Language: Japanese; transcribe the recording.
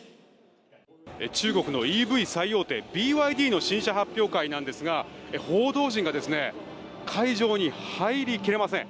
中国のＥＶ最大手ＢＹＤの新車発表会なんですが報道陣が会場に入りきれません。